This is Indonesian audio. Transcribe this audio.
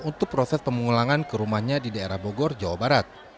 untuk proses pemulangan ke rumahnya di daerah bogor jawa barat